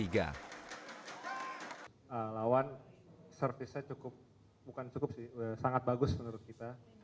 lawan servisnya cukup bukan cukup sih sangat bagus menurut kita